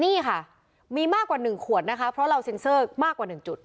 นี่ค่ะมีมากกว่า๑ขวดนะคะเพราะเราเซ็นเซอร์มากกว่า๑จุด